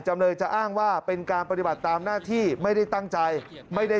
จำเลยจะอ้างว่าเป็นการปฏิบัติตามหน้าที่ไม่ได้ตั้งใจไม่ได้